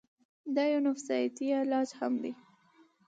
دا يو نفسياتي علاج هم دے